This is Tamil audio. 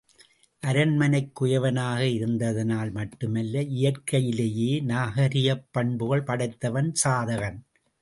அரண்மனைக் குயவனாக இருந்ததனால் மட்டுமல்ல இயற்கையிலேயே நாகரிகப் பண்புகள் படைத்தவன் சாதகன்.